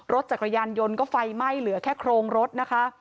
รถจักรยานยนต์ก็ไฟไหม้เหลือแค่โครงรถนะคะ